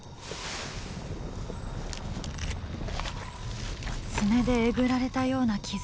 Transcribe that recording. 爪でえぐられたような傷痕。